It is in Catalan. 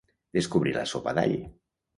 Descobrir la sopa d'all.